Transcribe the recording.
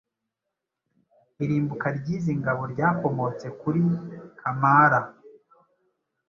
Irimbuka ry’izi ngabo ryakomotse kuri Kamara